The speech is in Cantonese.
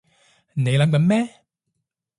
你諗緊咩？